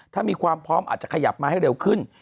ถ้ามีความพร้อมอาจจะขยับมาให้เร็วขึ้น